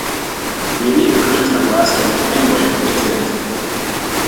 Maybe it couldn't have lasted; anyway, it didn't.